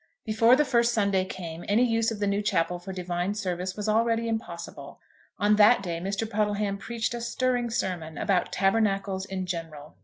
Before the first Sunday came any use of the new chapel for divine service was already impossible. On that day Mr. Puddleham preached a stirring sermon about tabernacles in general.